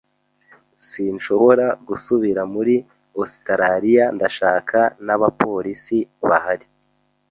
Sinshobora gusubira muri Ositaraliya. Ndashaka n'abapolisi bahari.